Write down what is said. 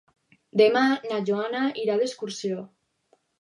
Demà na Joana irà d'excursió.